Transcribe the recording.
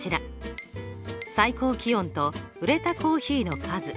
最高気温と売れたコーヒーの数。